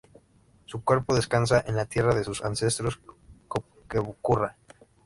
Su cuerpo descansa en la tierra de sus ancestros Cobquecura.